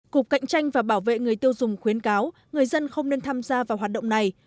cục cạnh tranh và bảo vệ người tiêu dùng khuyến cáo người dân không nên tham gia vào hoạt động này